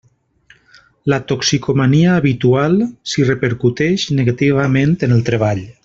La toxicomania habitual si repercuteix negativament en el treball.